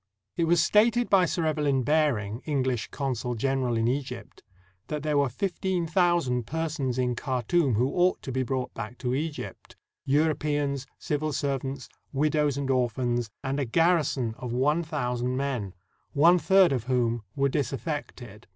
It was stated by Sir Evelyn Baring (English consul general to Egypt) that there were fifteen thousand persons in Khartoum who ought to be brought back to Egj pt — Europeans, civil servants, widows and 240 THE DEATH OF GENERAL GORDON orphans, and a garrison of one thousand men, one third of whom were disaffected.